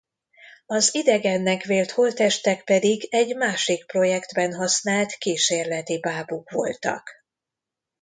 Az idegennek vélt holttestek pedig egy másik projektben használt kísérleti bábuk voltak.